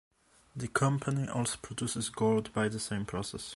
The company also produces gold by the same process.